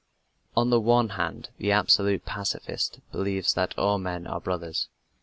On the one hand, the absolute pacifist believes that all men are brothers.